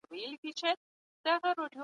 که سود واخیستل سي نو خلګو ته زیان رسیږي.